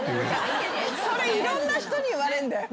それいろんな人に言われんだよ。